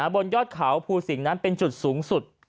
บนยอดเขาภูสิงห์นั้นเป็นจุดสูงสุด